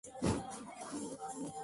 Se le encuentra en Ecuador y Perú.